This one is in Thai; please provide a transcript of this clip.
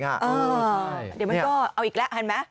เดี๋ยวมันก็เอาอีกแล้วเห็นไหม